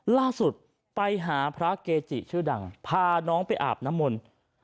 ล่าสุดไปหาพระเกจิชื่อดังพาน้องไปอาบน้ำมนต์